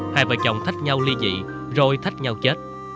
hai vợ chồng thách nhau ly dị rồi thách nhau chết